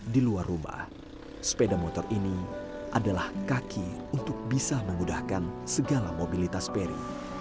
di luar rumah sepeda motor ini adalah kaki untuk bisa memudahkan segala mobilitas peri